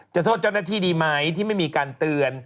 โทษเจ้าหน้าที่ดีไหมที่ไม่มีการเตือน